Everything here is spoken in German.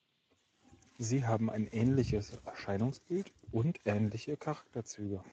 Sie haben ein ähnliches Erscheinungsbild und ähnliche Charakterzüge.